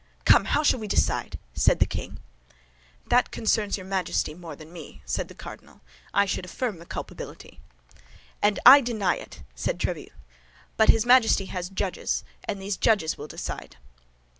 "Come, how shall we decide?" said the king. "That concerns your Majesty more than me," said the cardinal. "I should affirm the culpability." "And I deny it," said Tréville. "But his Majesty has judges, and these judges will decide."